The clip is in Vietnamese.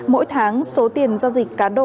mỗi tháng số tiền giao dịch cá độ